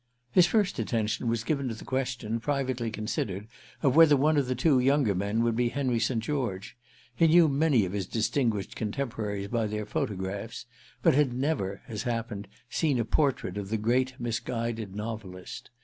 His first attention was given to the question, privately considered, of whether one of the two younger men would be Henry St. George. He knew many of his distinguished contemporaries by their photographs, but had never, as happened, seen a portrait of the great misguided novelist.